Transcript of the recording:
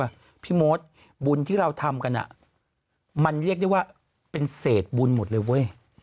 พี่มดบุญที่เราทำกันมันเรียกได้ว่าเป็นเศษบุญหมดเลยเว้ย